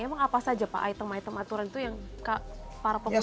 emang apa saja pak item item aturan itu yang para pengusaha